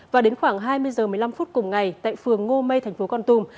và đến khoảng hai mươi h một mươi năm phút cùng ngày tại phường ngô mây thành phố con tum